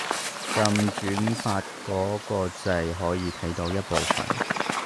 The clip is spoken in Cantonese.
撳轉發嗰個掣可以睇到一部分